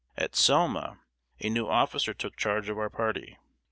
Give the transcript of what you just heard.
At Selma, a new officer took charge of our party.